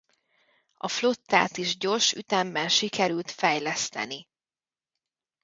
A flottát is gyors ütemben sikerült fejleszteni.